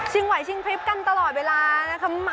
ชิงไหวชิงพลิบกันตลอดเวลานะครับ